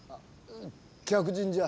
客人じゃ。